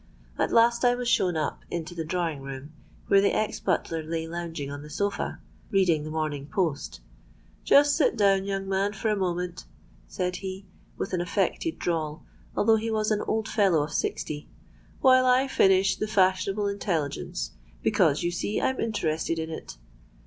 At last I was shown up into the drawing room, where the ex butler lay lounging on the sofa, reading the Morning Post. 'Just sit down, young man, for a moment,' said he, with an affected drawl, although he was an old fellow of sixty, 'while I finish the Fashionable Intelligence; because, you see, I'm interested in it.'